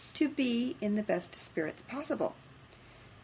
to be in the best spirits possible.